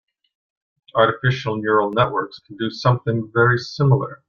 Artificial neural networks can do something very similar.